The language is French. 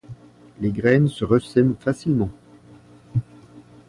Les graines se résème facilement.